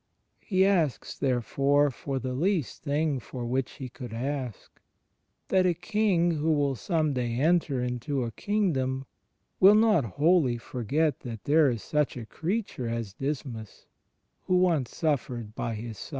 He asks, therefore, for the least thing for which he could ask — that a King who will some day enter into a kingdom will not wholly forget that there is such a creature as Dismas, who once suffered by His side.